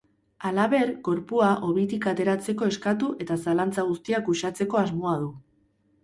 Halaber, gorpua hobitik ateratzeko eskatu eta zalantza guztiak uxatzeko asmoa du.